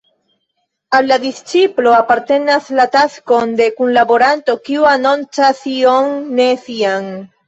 Al la disĉiplo apartenas la taskon de kunlaboranto kiu anoncas ion ne sian.